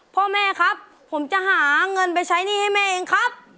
พ่อแม่ครับผมจะหาเงินไปใช้หนี้ให้แม่เองครับ